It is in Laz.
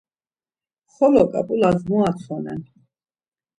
Xolo ǩap̌ulas mu atsonen?